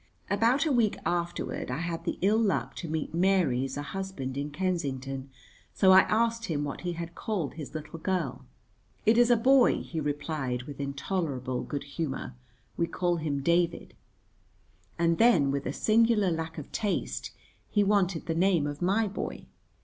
About a week afterward I had the ill luck to meet Mary's husband in Kensington, so I asked him what he had called his little girl. "It is a boy," he replied, with intolerable good humour, "we call him David." And then with a singular lack of taste he wanted the name of my boy.